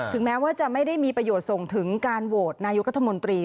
แม้ว่าจะไม่ได้มีประโยชน์ส่งถึงการโหวตนายกรัฐมนตรี